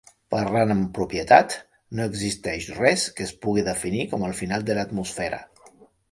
Parlant amb propietat, no existeix res que es pugui definir com el final de l'atmosfera.